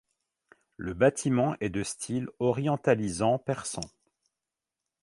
Le bâtiment est de style orientalisant persan.